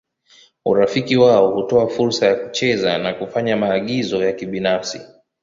Urafiki wao hutoa fursa ya kucheza na kufanya maagizo ya kibinafsi.